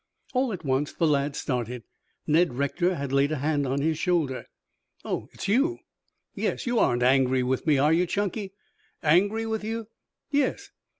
All at once the lad started. Ned Rector had laid a hand on his shoulder. "Oh, it's you?" "Yes. You aren't angry with me, are you, Chunky?" "Angry with you?" "Yes."